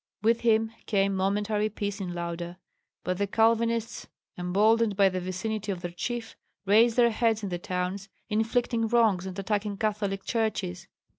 With him came momentary peace in Lauda. But the Calvinists, emboldened by the vicinity of their chief, raised their heads in the towns, inflicting wrongs and attacking Catholic churches.